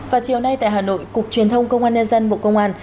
và chiều nay tại hà nội cục truyền thông công an nhân dân bộ công an